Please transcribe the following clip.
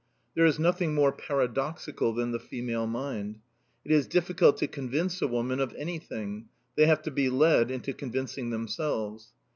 There is nothing more paradoxical than the female mind; it is difficult to convince a woman of anything; they have to be led into convincing themselves.